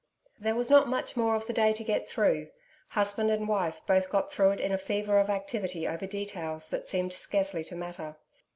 There was not much more of the day to get through. Husband and wife both got through it in a fever of activity over details that seemed scarcely to matter.